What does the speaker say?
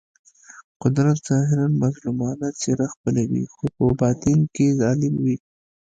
قدرت ظاهراً مظلومانه څېره خپلوي خو په باطن کې ظالم وي.